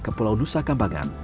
ke pulau nusa kambangan